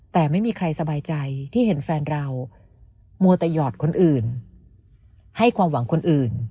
แต่ไม่มีใครสบายใจที่เห็นแฟนเรามัวแต่หยอดคนอื่นให้ความหวังคนอื่น